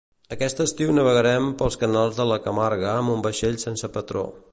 Aquest estiu navegarem pels canals de la Camarga amb un vaixell sense patró